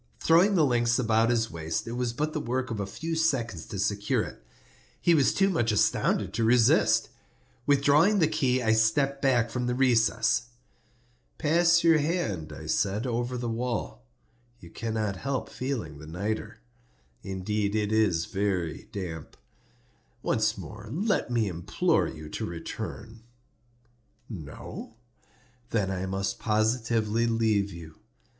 Throwing the links about his waist, it was but the work of a few seconds to secure it. He was too much astounded to resist. Withdrawing the key I stepped back from the recess. "Pass your hand," I said, "over the wall; you cannot help feeling the nitre. Indeed it is very damp. Once more let me implore you to return. No? Then I must positively leave you.